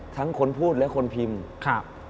ทั้งคนพูดและคนพิมพ์